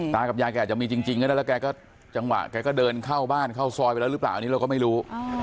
กับยายแกอาจจะมีจริงก็ได้แล้วแกก็จังหวะแกก็เดินเข้าบ้านเข้าซอยไปแล้วหรือเปล่าอันนี้เราก็ไม่รู้